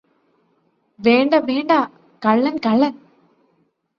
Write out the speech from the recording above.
വേണ്ട വേണ്ടാ കള്ളന് കള്ളന്